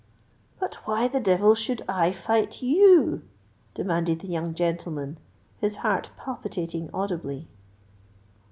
"But why the devil should I fight you?" demanded the young gentleman, his heart palpitating audibly.